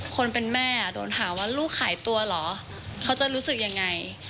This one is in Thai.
คนเป็นแม่โดนหาว่าลูกหายตัวเหรอเขาจะรู้สึกยังไง